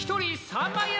３万円？